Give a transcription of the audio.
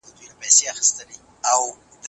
سالم زړه اوږد ژوند غواړي.